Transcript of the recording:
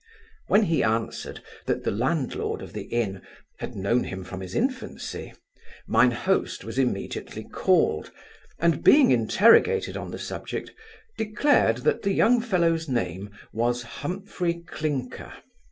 When he answered, that the landlord of the inn had known him from his infancy; mine host was immediately called, and being interrogated on the subject, declared that the young fellow's name was Humphry Clinker.